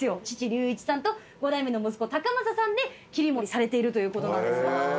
父隆一さんと５代目の息子隆正さんで切り盛りされているということなんです。